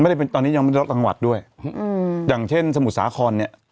ไม่ได้เป็นตอนนี้ยังไม่ได้ล็อกจังหวัดด้วยอย่างเช่นสมุทรสาคอนเนี่ย